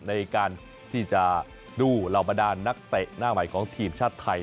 ในการที่จะดูเหล่าบรรดานนักเตะหน้าใหม่ของทีมชาติไทย